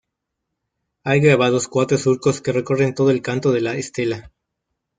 Hay grabados cuatro surcos que recorren todo el canto de la estela.